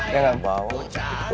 ya enggak apa apa